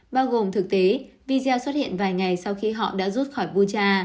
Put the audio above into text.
bao gồm thực tế video xuất hiện vài ngày sau khi họ đã rút khỏi puja